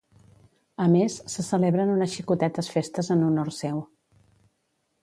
A més, se celebren unes xicotetes festes en honor seu.